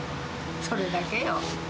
それだけよ！